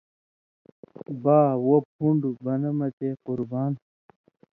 با: وو پُھن٘ڈُو بنہ مہ تےقُربان!